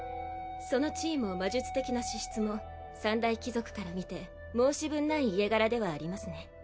その地位も魔術的な資質も三大貴族から見て申し分ない家柄ではありますね